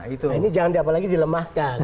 ini jangan diapa lagi dilemahkan